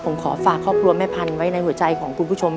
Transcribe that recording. ผมขอฝากครอบครัวแม่พันธุ์ไว้ในหัวใจของคุณผู้ชม